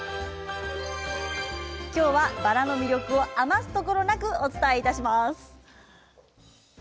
今日は、バラの魅力を余すところなくお伝えします。